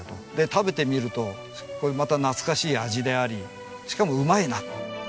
食べてみるとこれまた懐かしい味でありしかもうまいな！